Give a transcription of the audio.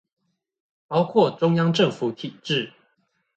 包括中央政府體制